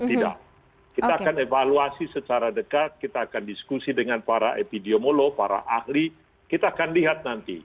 tidak kita akan evaluasi secara dekat kita akan diskusi dengan para epidemiolog para ahli kita akan lihat nanti